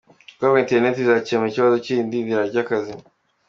Guhabwa internet bizakemura ikibazo cy’idindira ry’akazi.